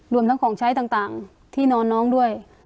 รวมทั้งของใช้ต่างที่นอนน้องด้วย